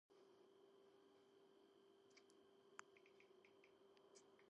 ღია გასაღებები თავისუფლად იცვლება ერთმანეთში ან მოთავსდება საერთო ბაზაში.